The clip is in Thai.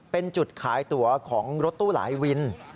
เป็นจุดขายตัวของรถตู้หลายวิน